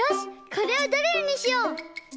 これをドリルにしよう！